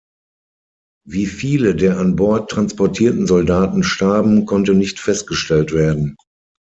Wie viele der an Bord transportierten Soldaten starben, konnte nicht festgestellt werden.